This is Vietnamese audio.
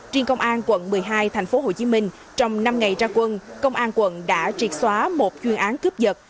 trên công an quận một mươi hai tp hcm trong năm ngày ra quân công an quận đã triệt xóa một chuyên án cướp giật